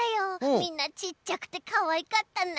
みんなちっちゃくてかわいかったな。